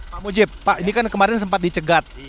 pak mujib pak ini kan kemarin sempat dicegat